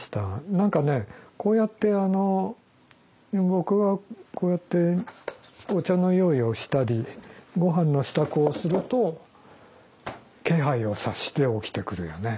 何かねこうやってあの僕がこうやってお茶の用意をしたりごはんの支度をすると気配を察して起きてくるよね。